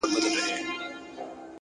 هر منزل نوی درس درکوي!